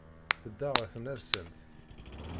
Tedda ɣer tnersamt.